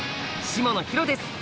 下野紘です！